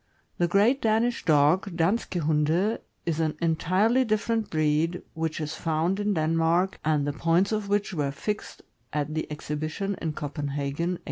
The ''Great Danish Dog" (Danske Hunde) is an entirely different breed, which is found in Denmark, and the points of which were fixed at the exhibition in Copenhagen, 1886.